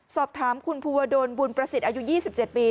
สอบถามคุณภูวดลบุญประสิทธิ์อายุ๒๗ปี